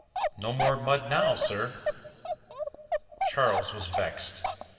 No more mud now, sir." Charles was vexed.